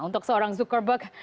untuk seorang zuckerberg